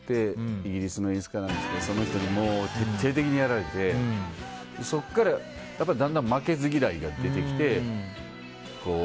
イギリスの演出家と出会ってその人に徹底的にやられてそこからだんだん負けず嫌いが出てきて。